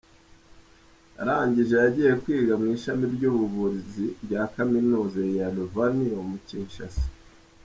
Arangije yagiye kwiga mu Ishami ry’Ubuvuzi rya Kaminuza ya Louvanium i Kinshasa.